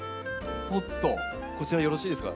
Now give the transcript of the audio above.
こちらよろしいですか？